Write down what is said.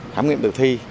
khám nghiệm tự thi